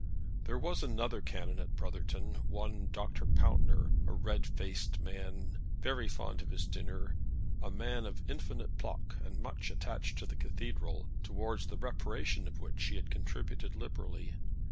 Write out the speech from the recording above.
There was another canon at Brotherton, one Dr. Pountner, a red faced man, very fond of his dinner, a man of infinite pluck, and much attached to the Cathedral, towards the reparation of which he had contributed liberally.